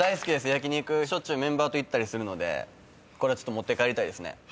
焼き肉しょっちゅうメンバーと行ったりするのでこれは持って帰りたいですね。